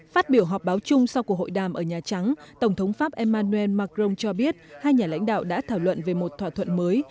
phát biểu họp báo chung sau cuộc hội đàm ở nhà trắng tổng thống pháp emmanuel macron cho biết hai nhà lãnh đạo đã thảo luận về một thỏa thuận mới